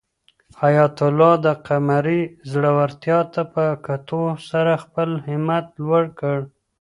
حیات الله د قمرۍ زړورتیا ته په کتو سره خپل همت لوړ کړ.